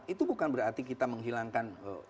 itu bukan berarti kita menghilangkan